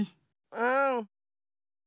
うん。